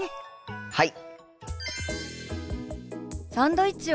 はい！